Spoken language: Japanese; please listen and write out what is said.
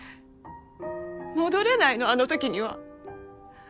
戻れないのあの時には。